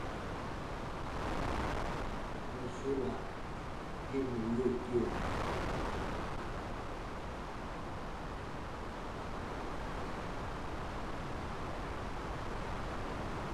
Her starring roles include "Mile Zero" and "Lola".